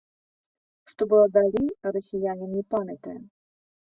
Што было далей, расіянін не памятае.